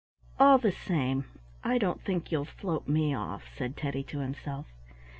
"All the same, I don't think you'll float me off," said Teddy to himself.